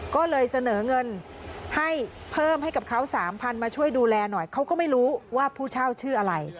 ก็เลยเสนอเงินให้เพิ่มให้กับเขาสามพันมาช่วยดูแลหน่อยเขาก็ไม่รู้ว่าผู้เช่าชื่ออะไร